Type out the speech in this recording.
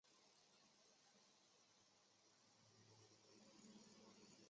报中央目的事业主管机关备查